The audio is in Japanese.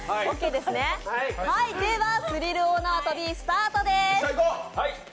ではスリル大縄跳びスタートです。